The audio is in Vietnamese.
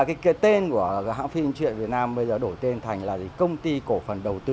cái tên của hãng phim truyện việt nam bây giờ đổi tên thành là công ty cổ phần đầu tư